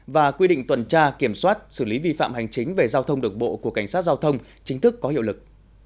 và quy định tuần tra kiểm soát xử lý vi phạm hành chính về giao thông đường bộ của cảnh sát giao thông chính thức có hiệu lực